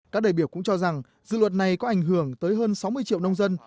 các đại biểu cũng cho rằng dự luật này có ảnh hưởng tới hơn sáu mươi triệu nông dân